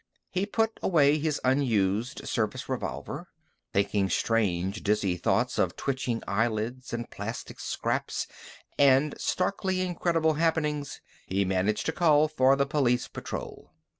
He put away his unused service revolver. Thinking strange, dizzy thoughts of twitching eyelids and plastic scraps and starkly incredible happenings, he managed to call for the police patrol.